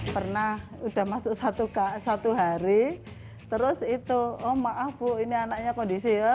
pernah udah masuk satu hari terus itu oh maaf bu ini anaknya kondisi ya